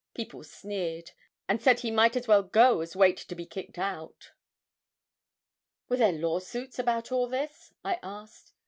People sneered, and said he might as well go as wait to be kicked out.' 'Were there law suits about all this?' I asked.